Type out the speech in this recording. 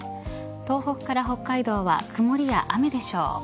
東北から北海道は曇りや雨でしょう。